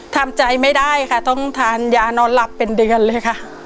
ทำใจไม่ได้ค่ะต้องทานยานอนหลับเป็นเดือนเลยค่ะ